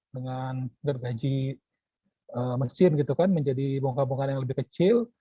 dengan bergaji mesin menjadi bongkar bongkar yang lebih kecil